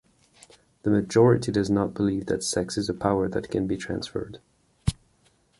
The majority does not believe that sex is a power that can be transferred.